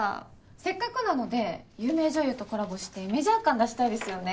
せっかくなので有名女優とコラボしてメジャー感出したいですよね。